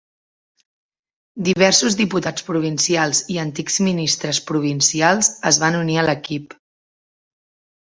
Diversos diputats provincials i antics ministres provincials es van unir a l'equip.